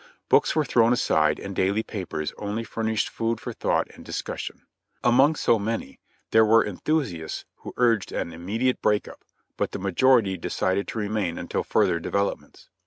Books were thrown aside and daily papers only furnished food for thought and dis cussion. Among so many, there were enthusiasts who urged an imme diate break up, but the majority decided to remain until further developments.